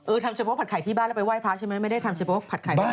ทำเฉพาะผัดไข่ที่บ้านแล้วไปไห้พระใช่ไหมไม่ได้ทำเฉพาะผัดไข่บ้าน